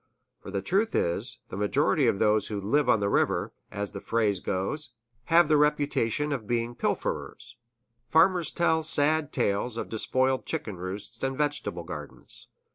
For the truth is, the majority of those who "live on the river," as the phrase goes, have the reputation of being pilferers; farmers tell sad tales of despoiled chicken roosts and vegetable gardens.